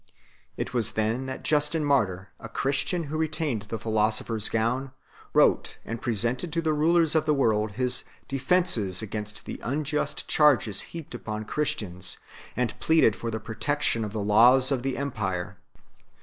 It was then that Justin Martyr, a Christian who retained the philosopher s gown, wrote and presented to the rulers of the world his " De fences" against the unjust charges heaped upon Christians, and pleaded for the protection of the laws of the empire.